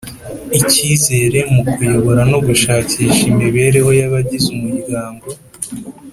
ikizere mu kuyobora no gushakisha imibereho y’abagize umuryango.